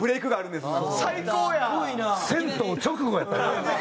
「銭湯」直後やったな。